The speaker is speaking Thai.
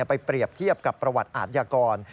ไปเปรียบเทียบกับประวัติอาทยากร